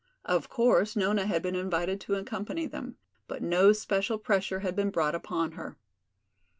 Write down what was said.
Of course, Nona had been invited to accompany them, but no special pressure had been brought upon her.